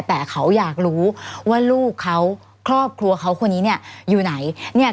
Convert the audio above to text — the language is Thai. แต่เขาอยากรู้ว่าลูกเขาครอบครัวเขาคนนี้เนี่ยอยู่ไหนเนี่ย